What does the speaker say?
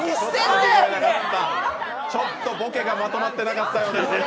ちょっとボケがまとまってなかったようです。